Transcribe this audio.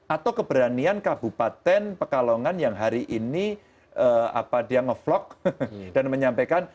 atau keberanian kabupaten pekalongan yang hari ini dia ngevlog dan menyampaikan